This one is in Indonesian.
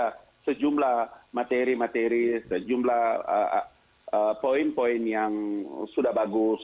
ada sejumlah materi materi sejumlah poin poin yang sudah bagus